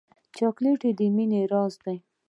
چاکلېټ د مینې راز لري.